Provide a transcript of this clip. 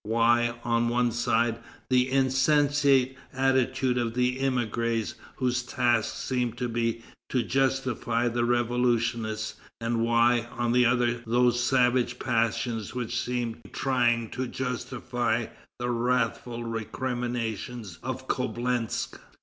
Why, on one side, the insensate attitude of the émigrés, whose task seemed to be to justify the revolutionists; and why, on the other, those savage passions which seemed trying to justify the wrathful recriminations of Coblentz?